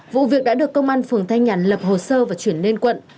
vụ việc đã được công an phường thanh nhàn lập hồ sơ và chuyển lên quận